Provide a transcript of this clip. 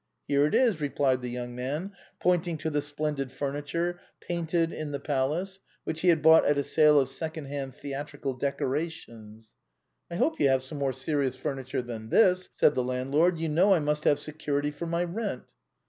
" Here it is," replied the young man, pointing to the splendid furniture painted in the palace, which he had bought at a sale of second hand theatrical decorations. " I hope you have some more serious furniture than this," said the landlord. " You know I must have security for my rent."